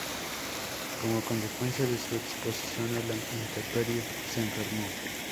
Como consecuencia de su exposición a la intemperie, se enfermó.